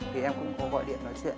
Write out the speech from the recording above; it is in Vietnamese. thì em cũng có gọi điện nói chuyện